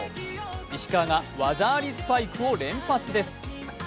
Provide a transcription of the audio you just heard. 石川が技ありスパイクを連発です。